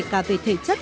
cả về thể chất